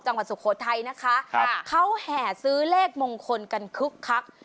สุโขทัยนะคะครับเขาแห่ซื้อเลขมงคลกันคึกคัก